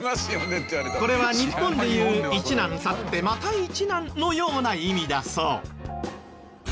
これは日本で言う「一難去ってまた一難」のような意味だそう。